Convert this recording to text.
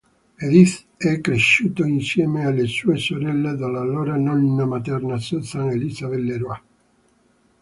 Edith è cresciuto insieme alle sue sorelle dalla loro nonna materna, Susan Elizabeth LeRoy.